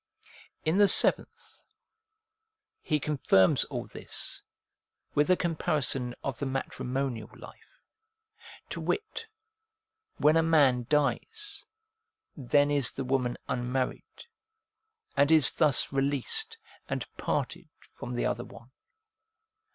In the seventh, he confirms all this with a comparison of the matrimonial life. To wit, when a man dies, then is the woman unmarried, and is thus released and parted from the other one.